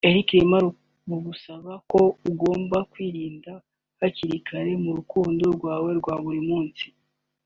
Elcrema rugusaba ko ugomba kwirinda hakiri kare mu rukundo rwawe rwa buri munsi